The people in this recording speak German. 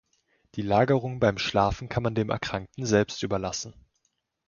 Die Lagerung beim Schlafen kann man dem Erkrankten selbst überlassen.